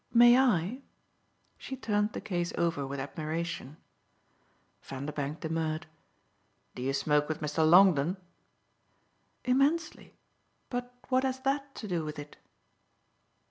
"May I?" She turned the case over with admiration. Vanderbank demurred. "Do you smoke with Mr. Longdon?" "Immensely. But what has that to do with it?"